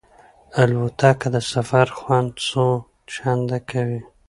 الوتکه د سفر خوند څو چنده کوي.